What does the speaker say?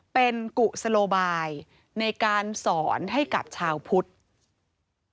เป็นกุศโลบายในการสอนให้กับชาวพุทธ